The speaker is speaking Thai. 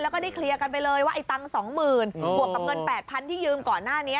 แล้วก็ได้เคลียร์กันไปเลยว่าไอ้ตังค์๒๐๐๐บวกกับเงิน๘๐๐๐ที่ยืมก่อนหน้านี้